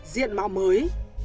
diện mạo mới